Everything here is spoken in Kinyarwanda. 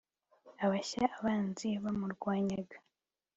ahashya abanzi bamurwanyaga